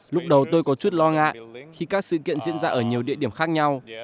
lúc đầu tôi có chút lo ngại khi các sự kiện diễn ra ở nhiều địa điểm khác nhau